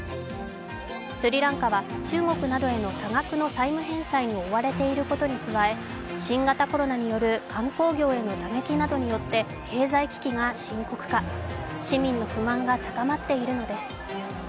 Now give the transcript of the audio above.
スリランカは中国などへの多額の債務返済に追われていることに加え新型コロナによる観光業への打撃などによって経済危機が深刻化市民の不満が高まっているのです。